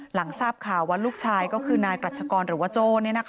หลังทราบข่าวว่าลูกชายก็คือนายกรัชกรหรือว่าโจ้